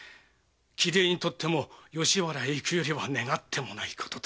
「貴殿にとっても吉原へ行くよりは願ってもないこと」と。